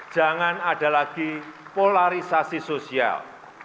jangan ada lagi polarisasi sosial